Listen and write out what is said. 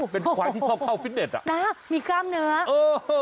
เป็นควายที่ชอบเข้าฟิตเน็ตอ่ะนะมีกล้ามเนื้อเออ